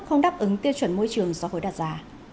không đáp ứng tiêu chuẩn môi trường do hồi đặt ra